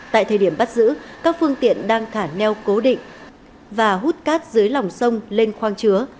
tại thời điểm bắt giữ các phương tiện đang khả neo cố định và hút cát dưới lòng sông lên khoang chứa